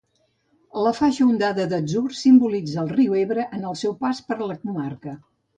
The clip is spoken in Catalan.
La faixa ondada d'atzur simbolitza el riu Ebre en el seu pas per la comarca.